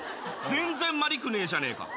全然まりくねえじゃねえか。